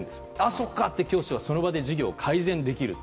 そうかと教師がその場で授業を改善できる。